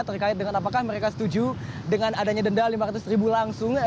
terkait dengan apakah mereka setuju dengan adanya denda lima ratus ribu langsung